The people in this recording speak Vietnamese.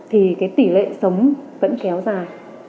thì tỷ lệ sống vẫn kéo dài